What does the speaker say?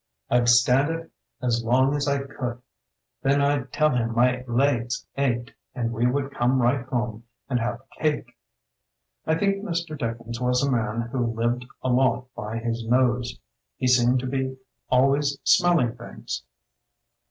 I'd stand it as long as I could! Then I'd tell him my legs ached and we would come right home and have a cake. "I think Mr. Dickens was a man who lived a lot by his nose. He seemed to be always smelling things.